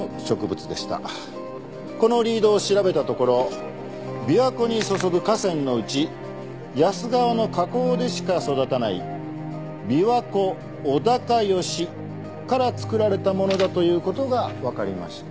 このリードを調べたところ琵琶湖に注ぐ河川のうち野洲川の河口でしか育たない琵琶湖尾高葦から作られたものだという事がわかりました。